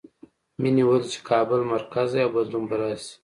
مینې ویل چې کابل مرکز دی او بدلون به راشي